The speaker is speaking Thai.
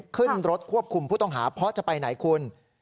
ขึ้นรถควบคุมผู้ต้องหาเพราะจะไปไหนคุณ